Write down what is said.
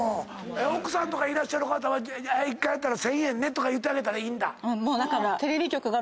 奥さんとかいらっしゃる方は「１回やったら１，０００円ね」とか言ってあげたらいいんだ。